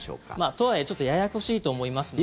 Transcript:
とはいえ、ちょっとややこしいと思いますので。